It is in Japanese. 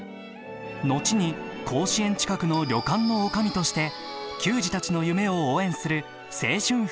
後に甲子園近くの旅館の女将として球児たちの夢を応援する青春奮闘記です。